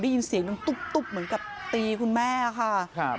ได้ยินเสียงน้องตุ๊บเหมือนกับตีคุณแม่ค่ะ